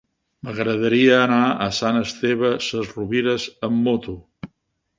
M'agradaria anar a Sant Esteve Sesrovires amb moto.